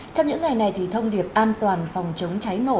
trong những ngày này thì thông điệp an toàn phòng chống cháy nổ